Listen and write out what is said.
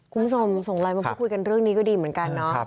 คุณผู้ชมส่งไลน์มาพูดคุยกันเรื่องนี้ก็ดีเหมือนกันเนาะ